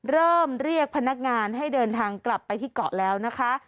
เรียกพนักงานให้เดินทางกลับไปที่เกาะแล้วนะคะ